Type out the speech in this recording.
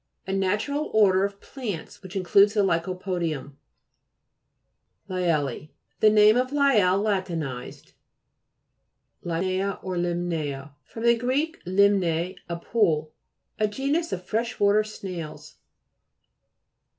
A natural order of plants which includes the ly'co po'dium. LYELLH The name of Lyell la tinized. LYMNE'A or IIMNEA fr. gr. lirnne, a pool. A genus of fresh water snails.